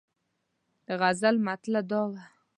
د غزل مطلع دا وه.